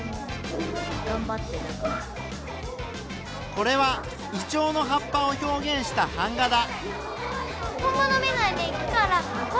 これはイチョウの葉っぱを表現した版画だ。